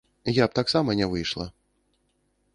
Я б таксама не выйшла.